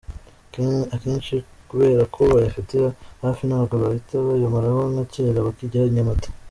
Akenshi kubera ko bayafatira hafi, ntabwo bahita bayamaraho nka kera bakijya i Nyamata.